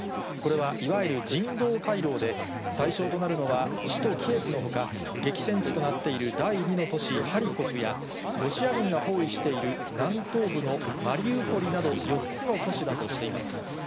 これは、いわゆる人道回廊で、対象となるのは首都キエフのほか、激戦地となっている第２の都市ハリコフや、ロシア軍が包囲している南東部のマリウポリなど４つの都市だとしています。